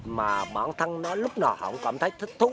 mà bọn thân nó lúc nào cũng cảm thấy thích thú